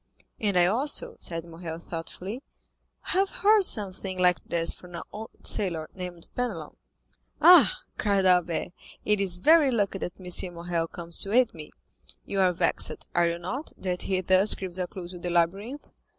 "And I also," said Morrel thoughtfully, "have heard something like this from an old sailor named Penelon." "Ah," cried Albert, "it is very lucky that M. Morrel comes to aid me; you are vexed, are you not, that he thus gives a clew to the labyrinth?"